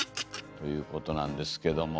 ということなんですけども。